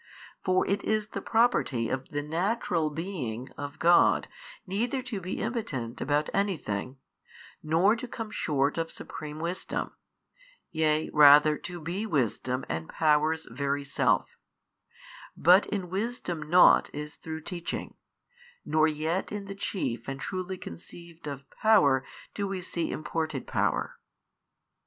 For it is the property of the Natural Being [of God 22] neither to be impotent about anything, nor to come short of supreme Wisdom, yea rather to be Wisdom and Power's very self; but in wisdom nought is through teaching, nor yet in the Chief and truly conceived of Power do we see imported power.